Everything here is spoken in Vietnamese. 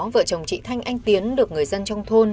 vợ chồng chị thanh anh tiến được người dân trong thôn